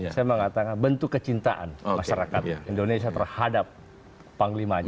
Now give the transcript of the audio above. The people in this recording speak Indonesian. saya mengatakan bentuk kecintaan masyarakat indonesia terhadap panglimanya